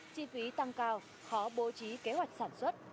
chi phí tăng cao khó bố trí kế hoạch sản xuất